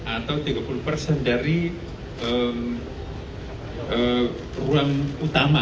atau tiga puluh persen dari ruang utama